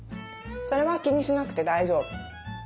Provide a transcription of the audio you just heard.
それは気にしなくて大丈夫。